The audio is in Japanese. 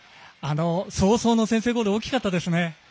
早々の先制ゴールは大きかったですね。